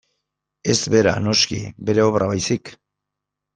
Ez bera, noski, bere obra baizik.